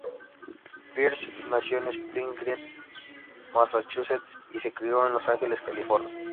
Pierce nació en Springfield, Massachusetts y se crio en Los Ángeles, California.